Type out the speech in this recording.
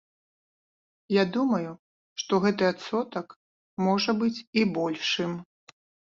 Я думаю, што гэты адсотак можа быць і большым.